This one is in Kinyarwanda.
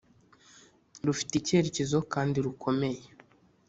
rufite icyerekezo kandi rukomeye.